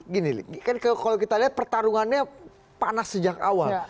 gini kan kalau kita lihat pertarungannya panas sejak awal